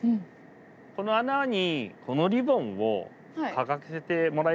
この穴にこのリボンをかざしてもらえますか。